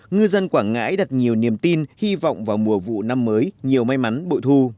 ngư dân quảng ngãi đặt nhiều niềm tin hy vọng vào mùa vụ năm mới nhiều may mắn bội thu